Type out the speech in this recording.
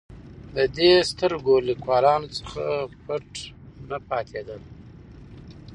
د دې سترګور لیکوالانو څخه پټ نه پاتېدل.